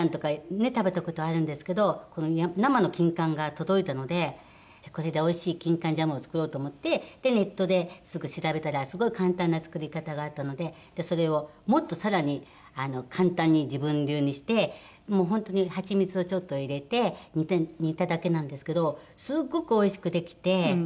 食べた事あるんですけど生のキンカンが届いたのでじゃあこれでおいしいキンカンジャムを作ろうと思ってネットですぐ調べたらすごい簡単な作り方があったのでそれをもっと更に簡単に自分流にしてもう本当に蜂蜜をちょっと入れて煮ただけなんですけどすごくおいしくできてで食べました。